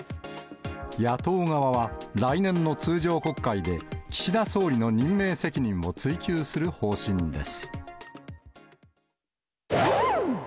野党側は来年の通常国会で、岸田総理の任命責任を追求する方針です。